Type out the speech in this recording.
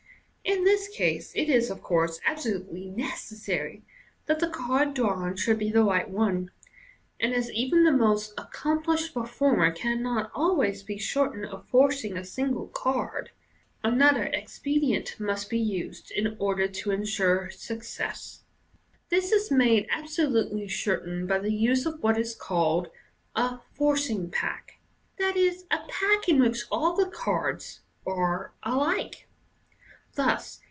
In this case it is, of course, absolutely necessary that the card drawn should be the right one j and as even the most accomplished performer cannot always be certain of forcing a single card, another expedient must be used in order to ensure MODERN MAGIC 23 success. This is made absolutely certain by the use of what is called a "forcing pack "— i.e., a pack in which all the cards areslike. Thus.